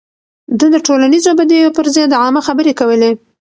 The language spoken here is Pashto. ده د ټولنيزو بديو پر ضد عامه خبرې کولې.